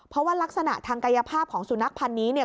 เพราะว่ารักษณะทางกายภาพของสุนัขพันธ์นี้เนี่ย